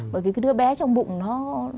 bởi vì cái đứa bé trong bụng nó